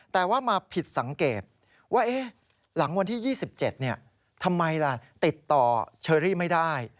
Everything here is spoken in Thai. แต่ว่ามาผิดสังเกตว่าหลังวันที่๒๗ทำไมล่ะติดต่อเชอรี่ไม่ได้